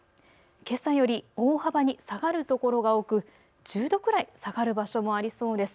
けさより大幅に下がるところが多く１０度くらい下がる場所もありそうです。